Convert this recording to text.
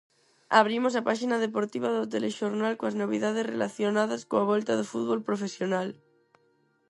Abrimos a páxina deportiva do telexornal coas novidades relacionadas coa volta do fútbol profesional.